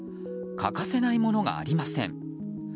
欠かせないものがありません。